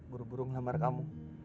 buru buru ngelamar kamu